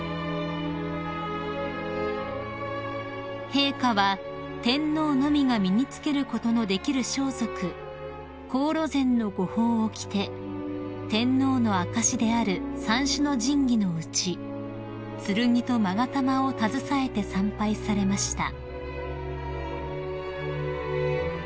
［陛下は天皇のみが身に着けることのできる装束黄櫨染御袍を着て天皇の証しである三種の神器のうち剣と勾玉を携えて参拝されました］